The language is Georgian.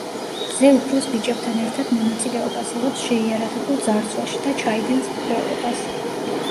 ზე უფროს ბიჭებთან ერთად მონაწილეობას იღებს შეიარაღებულ ძარცვაში და ჩაიდენს მკვლელობას.